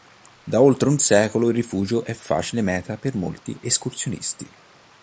Da oltre un secolo il rifugio è facile meta per molti escursionisti.